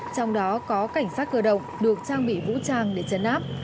trong đó có cảnh sát cơ động được trang bị vũ trang để chấn áp